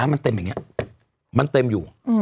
มันเต็มอยู่